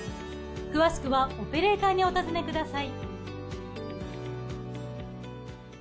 詳しくはオペレーターにお尋ねください。